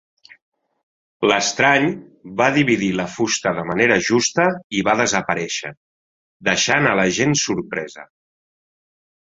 L'estrany va dividir la fusta de manera justa i va desaparèixer, deixant a la gent sorpresa.